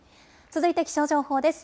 続いて気象情報です。